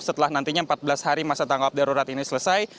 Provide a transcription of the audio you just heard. setelah nantinya empat belas hari masa tanggap darurat ini selesai